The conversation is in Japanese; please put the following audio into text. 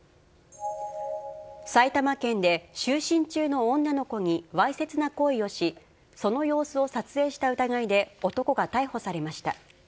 埼玉県で就寝中の女の子にわいせつな行為をし、その様子を撮影した疑いで、男が逮捕されました。